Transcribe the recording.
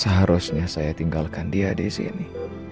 seharusnya saya tinggalkan dia disini